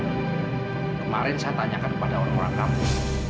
kemarin saya tanyakan kepada orang orang kampus